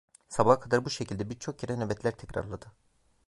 Sabaha kadar bu şekilde birçok kere nöbetler tekrarladı.